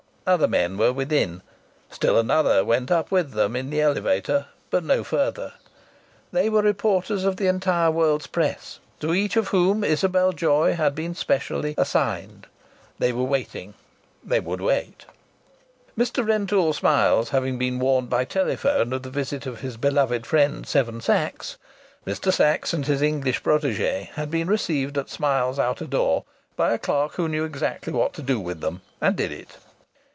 Other men were within. Still another went up with them in the elevator, but no further. They were reporters of the entire world's press, to each of whom Isabel Joy had been specially "assigned." They were waiting; they would wait. Mr. Rentoul Smiles having been warned by telephone of the visit of his beloved friend, Seven Sachs, Mr. Sachs and his English protége had been received at Smiles's outer door by a clerk who knew exactly what to do with them, and did it.